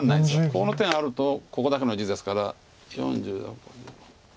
この手があるとここだけの地ですから４０。